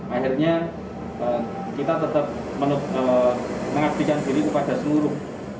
akhirnya kita tetap mengaktifkan diri kepada seluruh